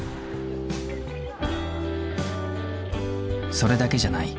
それだけじゃない。